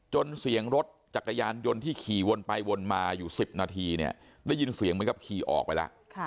เสียงรถจักรยานยนต์ที่ขี่วนไปวนมาอยู่๑๐นาทีเนี่ยได้ยินเสียงเหมือนกับขี่ออกไปแล้ว